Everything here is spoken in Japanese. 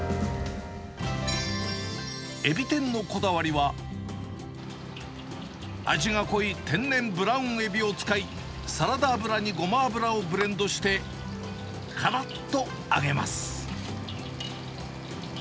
エビ天のこだわりは、味が濃い天然ブラウンエビを使い、サラダ油にごま油をブレンドして、からっと揚げます。